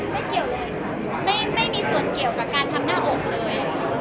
เกี่ยวเลยไม่มีส่วนเกี่ยวกับการทำหน้าอกเลย